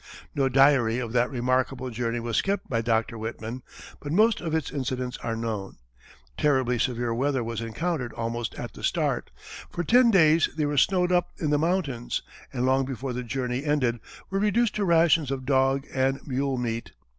No diary of that remarkable journey was kept by Dr. Whitman, but most of its incidents are known. Terribly severe weather was encountered almost at the start, for ten days they were snowed up in the mountains, and long before the journey ended, were reduced to rations of dog and mule meat.